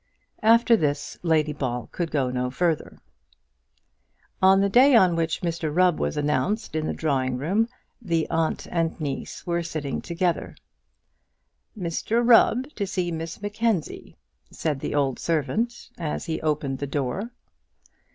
After this, Lady Ball could go no further. On the day on which Mr Rubb was announced in the drawing room, the aunt and niece were sitting together. "Mr Rubb to see Miss Mackenzie," said the old servant, as he opened the door.